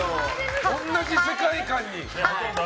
同じ世界観に。